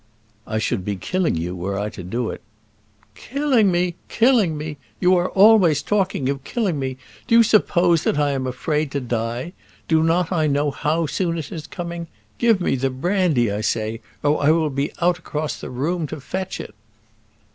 "I should be killing you were I to do it." "Killing me! killing me! you are always talking of killing me. Do you suppose that I am afraid to die? Do not I know how soon it is coming? Give me the brandy, I say, or I will be out across the room to fetch it."